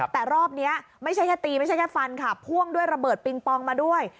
แต่รอบนี้ไม่ใช่แค่ตีไม่ใช่แค่ฟันค่ะพ่วงด้วยระเบิดปิงปองมาด้วย